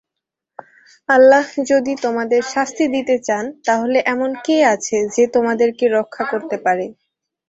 আল্লাহ যদি তোমাদের শাস্তি দিতে চান তাহলে এমন কে আছে, যে তোমাদেরকে রক্ষা করতে পারে?